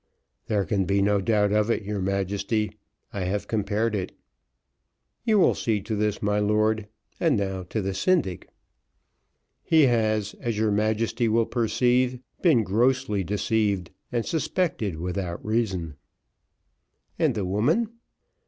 "There can be no doubt of it, your Majesty, I have compared it." "You will see to this, my lord: and now to the syndic." "He has, as your Majesty will perceive, been grossly deceived, and suspected without reason." "And the woman?"